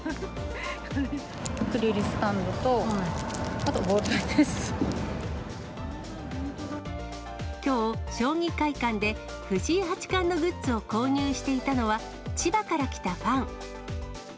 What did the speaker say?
アクリルスタンドと、あとボきょう、将棋会館で藤井八冠のグッズを購入していたのは、千葉から来たファン。